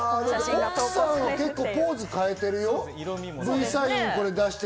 奥さんはポーズを変えているよ。